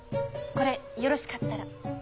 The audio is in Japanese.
これよろしかったら。